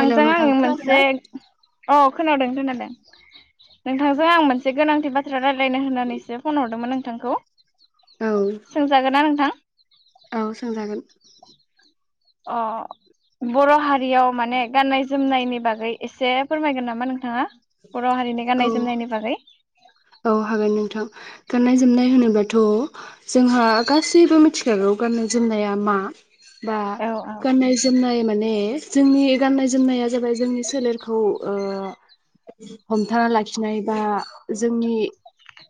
Hello नोंथां आंनि खोनादोंना मोनसे अ खोनादों खोनादों नोंथांजों आं मोनसे गोनांथि बाथ्रा रायलायनो होननानैसो फन हरदोंमोन नोंथांखौ। औ सोंजागोना नोंथां? औ सोंजागोन। अ बर' हारियाव माने गाननाय जोमनायनि बागै एसे फोरमायगोन नामा नोंथाङा? बर' हारिनि औ गाननाय जोमनायनि बागै। औ हागोन नोंथां गाननाय जोमनाय होनोबाथ' जोंहा गासैबो मिथिखागौ गाननाय जोमनाया मा। बा औ औ गाननाय जोमनाय माने जोंनि गाननाय जोमनाया जाबाय जोंनि सोलेरखौ ओ हमथाना लाखिनाय बा ज जोंनि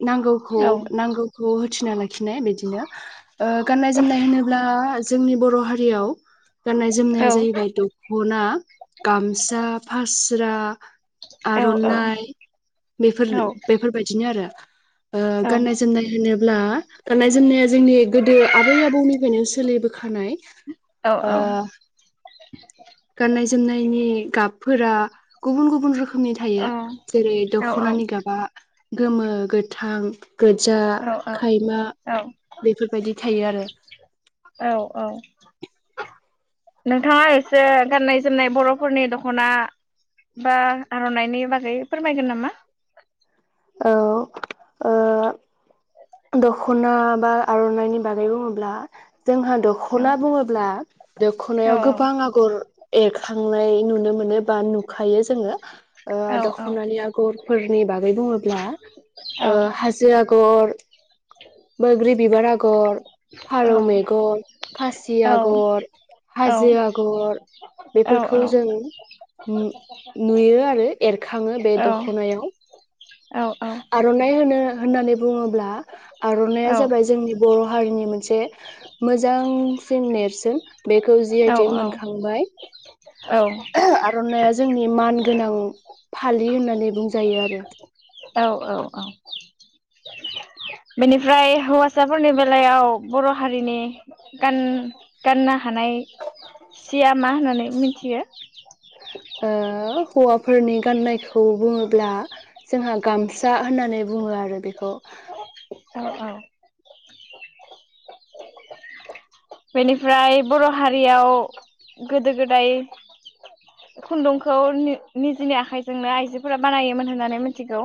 नांगौखौ औ नांगौखौ उथिना लाखिनाय बिदिनो ओ गाननाय जोमनाय होनोब्ला जोंनि बर' हारियाव गाननाय औ जोमनाया जाहैबाय दखना गामसा फास स्रा औ आरनाइ बेफोर। औ बायदिनो आरो। गाननाय औ जोमनाय होनोब होनब्ला। गाननाय जोमनाया जोंनि गोदो आबै आबौनिफ्रायनो सो सोलिबो खानाय औ ओ गाननाय-जो जोमनायनि गाबफोरा गुबुन गुबुन रोखोम रोखोमनि थायो जेरै दखनानि गाबा गोमो गोथां। गोजा औ खायमा बेफोरबायदि थायो आरो। औ औ नोंथाङा एसे गाननाय जोमनाय बरफोरनि दखना बा आरनाइनि बागै फोरमायगोन नामा। औ दखना बा आरनाइनि बागै बुङोब्ला जोंहा औ दखना बुङोब्ला औ दखनायाव गोबां आगर एरखांनाय नुनो मोन मोनो बा नुखायो जोङो दखनानि आगरफोरनि बागै बुङोब ब्ला हाजो आग र बैग्रि बिबार आगर फारौ मेगन खासि आगर हाजो आगर बेफोरखौ जों नु-नुयो आरो एरखाङो बे दखनायाव आरनाइ होनो होननानै बुङोब्ला आरनाइया जाबाय जोंनि बर' हारिनि मोनसे मोजांसिन नेरसोन बेखौ जि आइ टेक मोनखांबाय औ आरनाइया जोंनि मान गोनां फालि होननानै बुंजायो आरो। औ औ औ औ बेनिफ्राय हौवासाफोरनि बेलायाव बर' हारिनि गान गाननो हानाय सिया मा होननानै मिथियो। ओ हौवाफोरनि गाननायखौ बुङोब्ला जोंहा गामसा होननानै बुङो आरो बेखौ। [inaudible] औ औ। बेनिफ्राय बर' हारियाव गोदो गोदाय खुन्दुंखौ निजिनि आखाइजोंनो आइजोफोरा बानायोमोन होननानै मिथिगौ।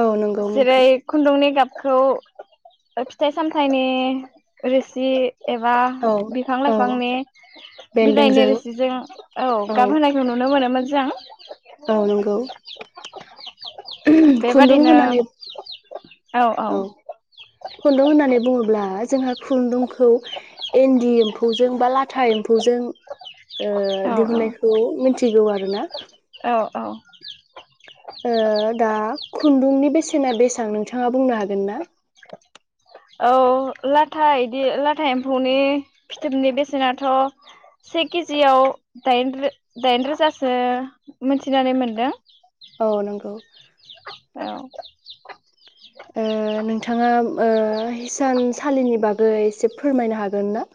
औ नंगौ जेरै नोंथां खुन्दुंनि गाब खौ फिथाइ सामथाइनि रोसि एबा औ बिफां औ लाइफांनि बिलाइनि बेन्दोंजों रोसिजों औ। गाब होनायखौ नुनो मोनोमोन। जों। औ नंगौ। खुन्दुं बेबादिनो होनानै औ खुन्दुं होननानै बुङोब्ला जोंहा खुन्दुंखौ इन्दि एम्फौजों बा लाथा एम्फौजों ओ औ दिहुननायखौ मिथि थिगौ आरो ना औ औ। ओ दा खुन्दुंनि बेसेना बेसेबां नोंथाङा बुंनो हागोन ना। औ लाथा इदि लाथा एम्फौनि फिथोबनि बेसेनाथ से केजियाव दा दाइन रोजासो मिथिनानै मोनदों। औ नोंगौ। औ। ओ नोंथाङा ओ हिसानसालिनि बागै एसे फोरमायनो हागोन ना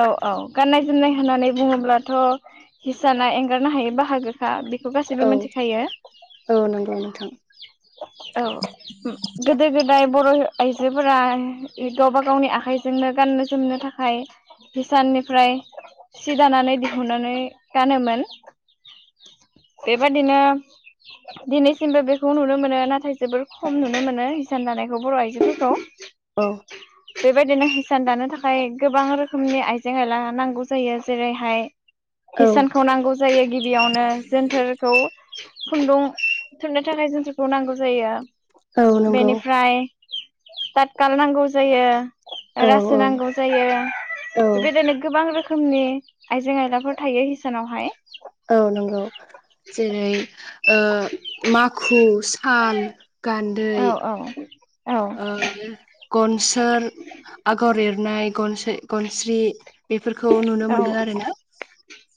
औ औ गाननाय जोमनाय होननानै बुङोब्लाथ हिसाना एंगारनो हायो बाहागोखा बेखौ गासैबो औ मिथिखायो औ नोंगौ नोंथां। औ गोदो गोदाय बर' आइजोफोरा गावबा गावनि आखाइजोंनो गाननो जोमनो थाखाय हिसाननिफ्राय सि दानानै दिहुननानै गानोमोन बेबादिनो दिनैसिमबो बेखौ नुनो मोनो। नाथाय जोबोर खम नुनो मोनो हिसान दानायखौ बर' आइजोफोरखौ औ। बेबायदिनो हिसान दानो थाखाय गोबां रोखोमनि आइजें आइला नांगौ जायो जेरैहाय औ हिसानखौ नांगौ जायो गिबियावनो जोनथोरखौ खुन्दुं थुननो थाखाय जों नांगौ जायो। औ नंगौ बेनिफ्राय तातकाल नांगौ जायो। औ रासो औ नांगौ जायो औ बेबायदिनो गोबां रोखोम। रोखोमनि आइजें आयलाफोर थायो हिसानावहाय। औ नंगौ जेरै ओ मा खु साल औ गान्दै औ औ ओ गन सोर आगर एरनाय गनसो गनस्रि बेफोरखौ नुनो मोनो आरो ना।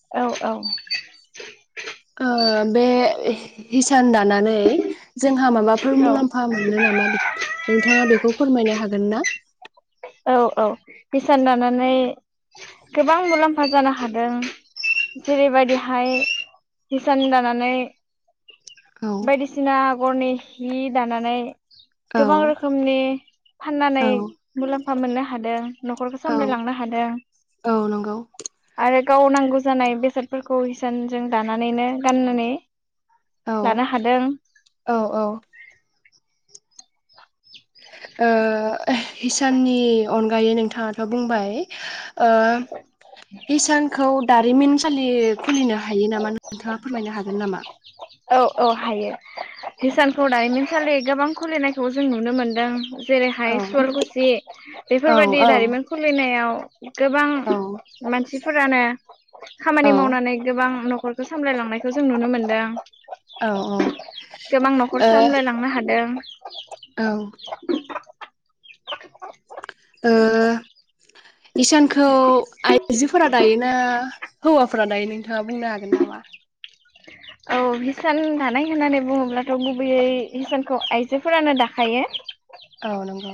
औ औ ओ बे हिसान दानानै जोंहा माबाफोर औ मुलाम्फा मोनो नामा नोंथाङा बेखौ फोरमायनो हागोन ना? औ औ हिसान दानानै गोबां मुलाम्फा जानो हादों जेरैबादिहाय हिसान दानानै औ बायदिसिना गरनि हि दानानै औ गोबां रोखोमनि फाननानै औ मुलाम्फा मोननो हादों न'खरखौ औ सामलायलांनो हादों औ नंगौ आरो गाव नांगौ जानाय बेसादफोरखौ हिसानजों दानानैनो गाननानै औ लानो हादों औ औ। ओ हिसाननि अनगायै नोंथाङाथ' बुंबाय। ओ हिसानखौ दारिमिनसालि खुलिनो हायो नामा नोंथाङा फोरमायनो हागोन नामा? औ औ हायो, हिसानखौ दानिमिनसालि गोबां खुलिनायखौ जों नुनो मोनदों। औ जेरैहाय सुवालखुसि औ बेफोरबायदि औ दारिमिन खुलिनायाव गोबां औ मानसिफोरानो औ खामानि मावनानै गोबां न'ख खरखो सामलायलांनायखौ जों नुनो मोन्दों। औ ओ गोबां न'खर सामलायलांनो हादों। औ ओ हिसानखौ आइजोफोरा दायो ना हौवाफोरा दायो नोंथाङा बुंनो हागोन नामा? औ हिसान दानाय होननानै बुङोब्लाथ' गुबैयै हिसानखौ आइजोफोरानो दाखायो। औ नंगौ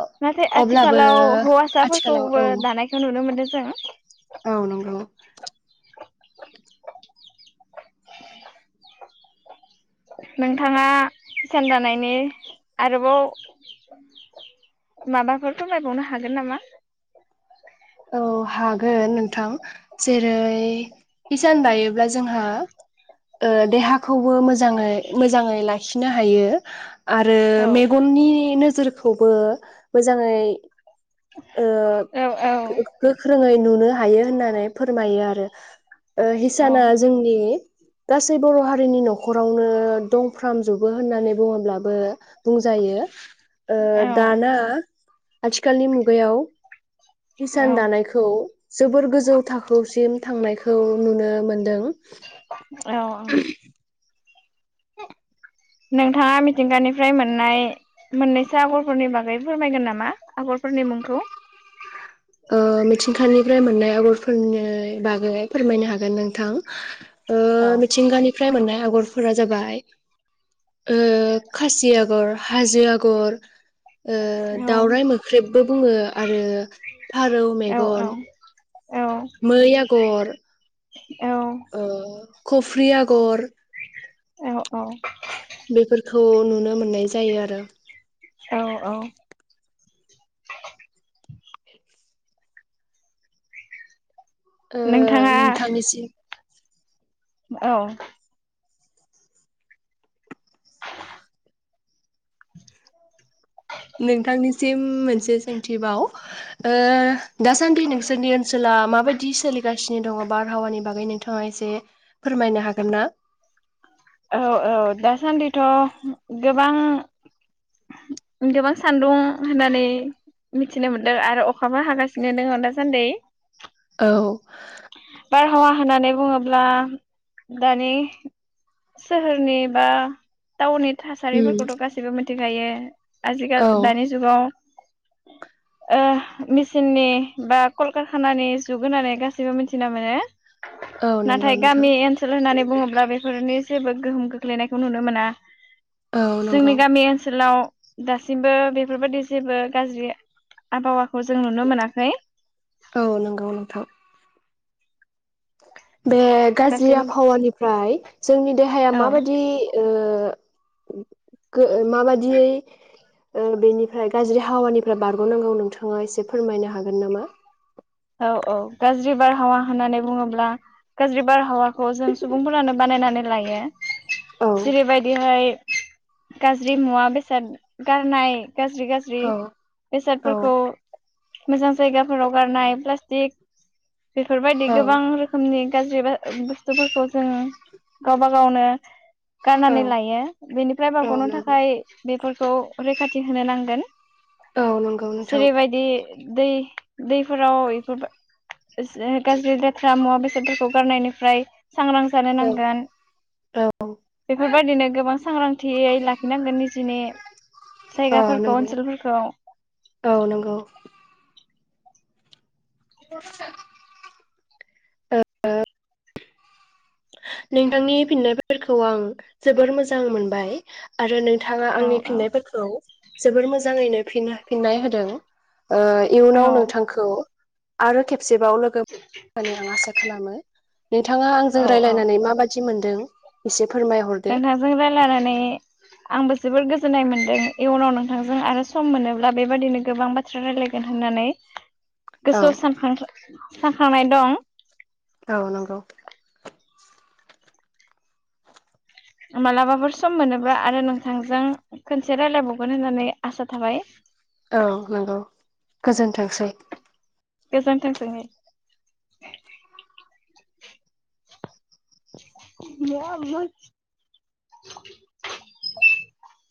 अ नाथाय अब्लाबो आथिखालाव आथिखालाव हौवासाफोरखौबो औ दानायखौ नुनो मोनदों जों औ नंगौ। नोंथाङा हिसान दानायनि आरोबाव माबाफोर फोरमायबावनो हागोन नामा? औ हागोन नोंथां जेरै हिसान दायोब्ला जोंहा देहा खौबो मोजाङै मोजाङै लाखिनो हायो। आरो औ औ मेगननि नो जोरखौबो मोजाङै ओ औ गोख्रोङैनो नुनो हायो होननानै फोरमायो आरो औ हिसाना जोंनि गासै बर' हा जोंनि नखरावनो दंफ्रामजोबो होननानै बुङोब्लाबो बुंजायो ओ दाना औ आथिखालनि मु गायाव औ हिसान दानायखौ जोबोर गोजौ थाखोसिम थांनायखौ नुनो मोनदों। औ नोंथाङा मिथिंगानिफ्राय मोननाय मोननैसो आगरफोरनि बागै फोरमायगोन नामा आगरफोरनि मुंखौ। ओ मिथिंखानिफ्राय मोननाय आगरफोरनि बागै फोरमायनो हागोन नोंथां। ओ औ मिथिंगानिफ्राय मोननाय आं आगरफोरा जाबाय ओ खासि आगर, हाजो आगर ओ औ दावराइ मोख्रेबबो बुङो आरो रौ औ मेगन औ औ मै आगर औ कफ्रि आगर औ औ बेफोरखौ नुनो मोननाय जायो, आरो । औ औ ओ नोंथाङा नोंथांनिसिम औ नोंथांनि मोनसे सोंथि बाव ओ दासान्दि नोंसोरनि ओनसोला माबायदि सोलिगासिनो दङ बारहावानि बागै नोंथाङा एसे फोरमायनो हागोन ना? औ औ दासान्दिथ गोबां गोबां सान्दुं होननानै मिथिनो मोनदों आरो अखाबो हागासिनो दङ दासान्दि। औ हावा होननानै बुङोब्ला दानि सोहोरनिबा टाउननि उम थासारिफोरखौथ गासिबो मोन थाखायो। आजिखाल औ दानि जुगाव ओ मिसिननि बा कलकारखानानि जुग होननानै गासैबो मिथिना मोनो। औ नंगौ नाथाय नोंथां गामि ओनसोल होननानै बुङोब्ला बेफोरनि जेबो गोहोम खोख्लैनायखौ नुनो मोना। औ नंगौ जोंनि गामि ओनसोलाव दासिमबो बेफोरबाददि जेबो गाज्रि आबहावाखौ जों नुनो मोनाखै। औ नंगौ नोंथां [inaudible] बे गाज्रि दासिम आबहावानिफ्राय जोंनि देहाया औ माबायदि ओ ओ गो माबादियै ओ बेनिफ्राय गाज्रि हावानिफ्राय बारगनांगौ नोंथाङा एसे फोरमायनो हागोन नामा? औ औ गाज्रि बारहावा होननानै बुङोब्ला गाज्रि बारहावाखौ जों सुबुंफोरानो बानायनानै लायो। औ जेरैबायदिहाय गाज्रि मुवा बेसाद गारनाय गाज्रि गाज्रि औ औ बेसादफोरखौ मोजां जायगाफोराव गारनाय प्लास्टिक बेफोरबायदि गोबां रोखोमनि गाज्रि बा बुस्थुफोरखौ जोङो गावबा गावनो औ गारनानै लायो। बेनिफ्राय औ बारगनो नंगौ थाखाय बेफोर खौ रैखाथि होनो नांगोन। औ नोंगौ नोंथां जेरैबायदि दै दैफ्राव ए [unintelligible] गाज्रि लेथ्रा मुवा बेसादफोरखौ गारनायनिफ्राय सांग्रां जानो औ नांगोन। औ बेफोर बेबायदिनो गोबां सांग्रांथियै लाखिनांगोन निजिनि औ जायगाफोरखौ नोंगौ ओनसोलफोरखौ औ नोंगौ ओ ओ नोंथांनि फिन्नायफोरखौ आं जोबोर मोजां मोनबाय आरो नों थाङा औ आंनि फिननायफोरखौ जोबोर मोजाङैनो फिनो फिननाय होदों ओ औ इयुनाव औ नोंथांखौ आरो खेब सेबाव लोगोब माने आं आसा खालामो नोंथाङा औ आंजों रायलायनानै माबाददि मोनदों? इसे नोंथां जों रायलायनानै आंबो जोबोर गोजोन्नाय मोनदों इयुनाव नोंथांजों आरो सम मोनोब्ला बेबादिनो गोबां बाथ्रा रायलायगोन होननानै औ गोसोआव‌ सानखांथो साखांनाय दं। औ नंगौ। मालाबाफोर सम मोनोबा आरो नोंथांजों खोनसे रायलायबावगोन होननानै आसा थाबाय। औ नोंगौ गोजोनथोंसै। गोजोनथों सोंनि [unintelligible]